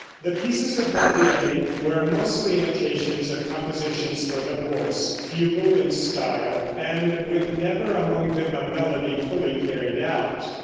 The pieces of Gabrieli were mostly imitations of compositions for the voice, fugal in style, and with never among them a melody fully carried out.